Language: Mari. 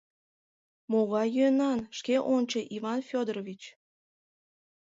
— Могай йӧнан, шке ончо, Иван Фёдорович.